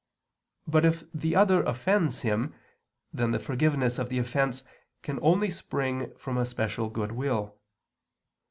But if the other offends him, then the forgiveness of the offense can only spring from a special goodwill.